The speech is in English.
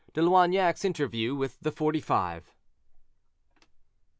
DE LOIGNAC'S INTERVIEW WITH THE FORTY FIVE.